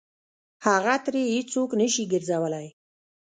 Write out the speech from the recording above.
هغه ترې هېڅ څوک نه شي ګرځولی.